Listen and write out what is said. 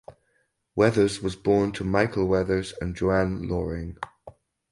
Weathers was born to Michael Weathers and Joann Loring.